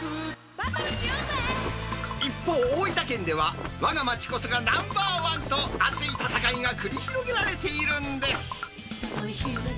一方、大分県ではわが町こそがナンバーワンと、熱い戦いが繰り広げられているんです。